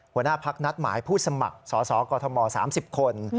หัวหน้าพักนัดหมายผู้สมัครสสกม๓๐คน